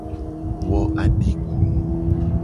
Wo adikunu.